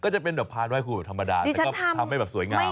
ก็จะเป็นพาร์ทด้วยคู่ธรรมดาแต่ทำให้แบบสวยงาม